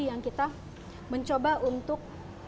yang kita mencoba untuk